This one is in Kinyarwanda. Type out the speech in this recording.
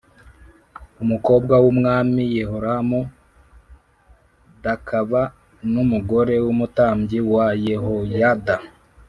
Umukobwa w umwami yehoramu d akaba n umugore w umutambyi wa yehoyada